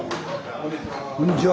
こんにちは。